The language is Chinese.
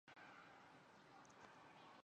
该宣言是首部俄罗斯宪法的前身。